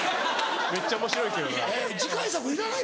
めっちゃ面白いけどな。